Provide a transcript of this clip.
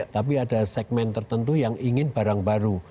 tapi ada segmen tertentu yang ingin barang baru